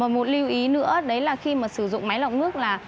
một lưu ý nữa đấy là khi mà sử dụng máy lọc nước là